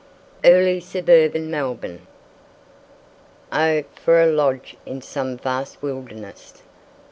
EARLY SUBURBAN MELBOURNE. "Oh, for a lodge in some vast wilderness."